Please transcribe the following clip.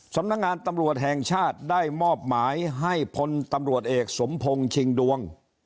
สำนักงานตำรวจแห่งชาติได้มอบหมายให้พลตำรวจเอกสมพงศ์ชิงดวง